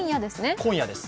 今夜です。